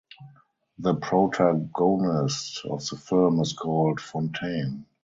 The protagonist of the film is called Fontaine.